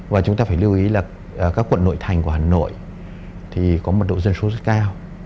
và chúng ta phải lưu ý là các quận nội thành của hà nội thì có mật độ dân số rất cao